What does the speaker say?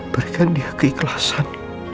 berikan dia keikhlasan